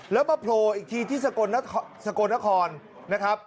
แล้วมาโผล่อีกทีที่สกลนครนะครับ